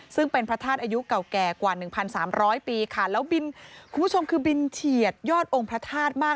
ซึ่งเป็นพระธาตุอายุเก่าแก่กว่า๑๓๐๐ปีค่ะแล้วบินคุณผู้ชมคือบินเฉียดยอดองค์พระธาตุมาก